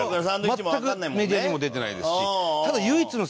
全くメディアにも出てないですし。